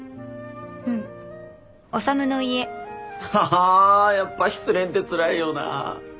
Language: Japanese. あやっぱ失恋ってつらいよな。